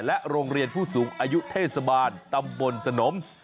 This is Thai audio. โรงเรียนผู้สูงอายุเทศบาลตำบลสนม